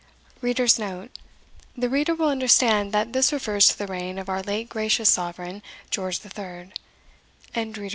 * The reader will understand that this refers to the reign of our late gracious Sovereign, George the Third.